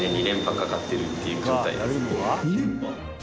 ２連覇？